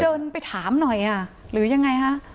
แล้วเดินไปถามหน่อยหรือยังไงครับ